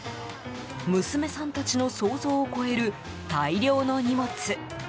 娘さんたちの想像を超える大量の荷物。